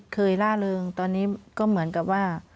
ล่าเริงตอนนี้ก็เหมือนกับว่า